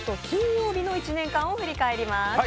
金曜日の１年間を振り返ります。